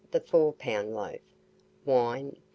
the four pound loaf; wine, 25s.